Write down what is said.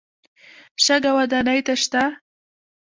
شګه ودانۍ ته شته.